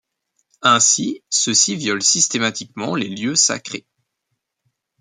Ainsi, ceux-ci violent systématiquement les lieux sacrés.